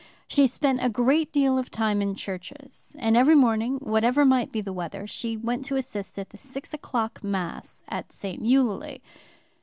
She spent a great deal of time in churches, and every morning, whatever might be the weather, she went to assist at the six o'clock Mass at St. Eulalie.